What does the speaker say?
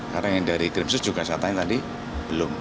karena yang dari krim sus juga saat ini tadi belum